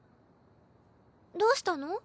どうしたの？